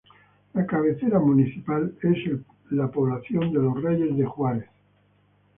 La cabecera municipal es la población de los Reyes de Juárez.